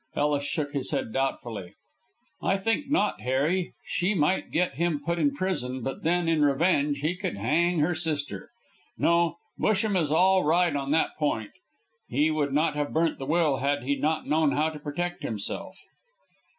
Ellis shook his head doubtfully. "I think not, Harry. She might get him put in prison; but then, in revenge, he could hang her sister. No, Busham is all right on that point; he would not have burnt the will had he not known how to protect himself."